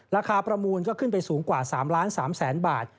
ราคาประมูลก็ขึ้นไปสูงกว่า๓ล้าน๓แสนบาท